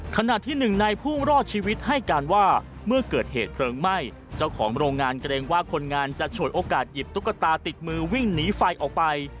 ขณะที่หนึ่งในผู้รอดชีวิตให้การว่าเมื่อเกิดเหตุเพลิงไหม้เจ้าของโรงงานเกรงว่าคนงานจะฉวยโอกาสหยิบตุ๊กตาติดมือวิ่งหนีไฟออกไป